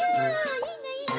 いいねいいね！